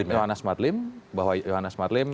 yohanas marlim bahwa yohannes marlim